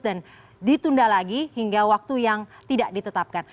dan ditunda lagi hingga waktu yang tidak ditetapkan